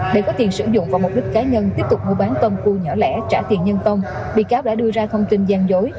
để có tiền sử dụng vào mục đích cá nhân tiếp tục mua bán tôm cu nhỏ lẻ trả tiền nhân tông bị cáo đã đưa ra thông tin gian dối